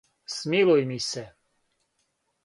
Смилуј ми се.